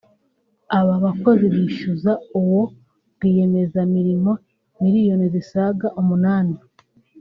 Aba bakozi bishyuza uwo rwiyemeza mirimo miriyoni zisaga umunani